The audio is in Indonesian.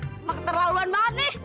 semak keterlaluan banget nih